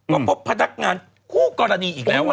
ก็พบพนักงานคู่กรณีอีกแล้ว